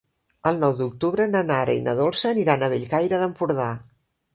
El nou d'octubre na Nara i na Dolça aniran a Bellcaire d'Empordà.